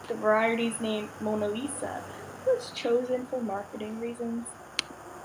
The variety’s name, 'Monalisa,' was chosen for marketing reasons.